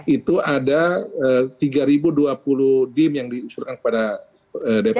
itu ada tiga ribu dua puluh dim yang diusulkan kepada dpr untuk dibahas